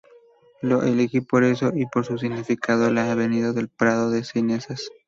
Lo elegí por eso y por su significado: la avenida del prado de cenizas"".